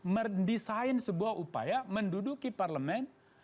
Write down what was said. mendesain sebuah upaya menduduki parlemen